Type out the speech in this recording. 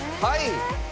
はい！